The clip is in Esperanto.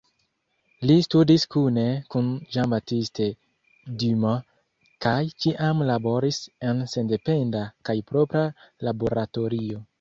Li studis kune kun Jean-Baptiste Dumas kaj ĉiam laboris en sendependa kaj propra laboratorio.